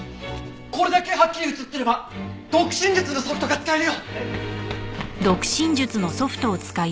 これだけはっきり映ってれば読唇術のソフトが使えるよ！